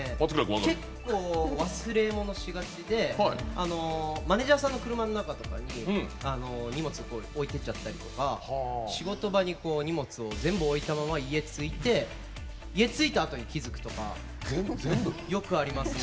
結構、忘れ物をしがちでマネージャーさんの車の中とかに荷物を置いていっちゃったりとか仕事場に荷物を全部置いたまま家に着いたあとに気付くとかよくありますね。